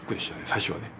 最初はね。